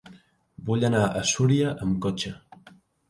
Vull anar a Súria amb cotxe.